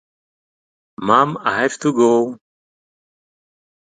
The speedy Byrne was a defensive stalwart with excellent range.